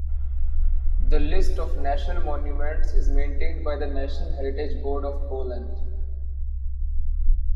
The list of national monuments is maintained by the National Heritage Board of Poland.